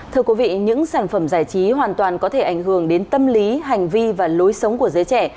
thưa quý vị những sản phẩm giải trí hoàn toàn có thể ảnh hưởng đến tâm lý hành vi và lối sống của giới trẻ